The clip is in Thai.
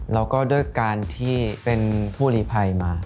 แล้วก็ด้วยการที่เป็นผู้หลีภัยมา